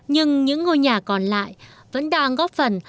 nhưng những ngôi nhà còn lại vẫn đang góp phần